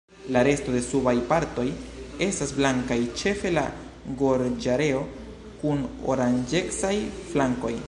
La resto de subaj partoj estas blankaj ĉefe la gorĝareo kun oranĝecaj flankoj.